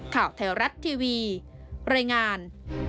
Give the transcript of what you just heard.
ข่าวไทยรัฐทีวีบริงาร